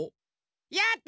やった！